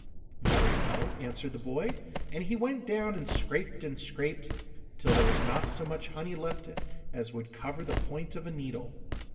'Very well,' answered the boy, and he went down, and he scraped and scraped till there was not so much honey left as would cover the point of a needle.